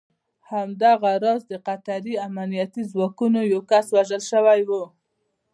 او دغه راز د قطري امنیتي ځواکونو یو کس وژل شوی و